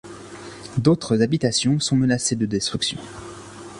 D'autres habitations sont menacées de destruction.